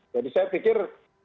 jadi saya pikir